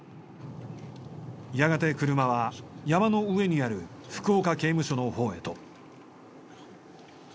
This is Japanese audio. やがて車は山の上にある福岡刑務所のほうへと。